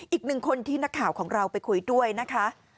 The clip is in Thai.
อีกหนึ่งคนที่นักข่าวของเราไปคุยด้วยนะคะ